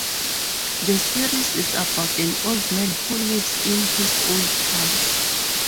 The series is about an old man who lives in his old house.